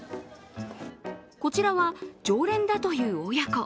こちらは常連だという親子。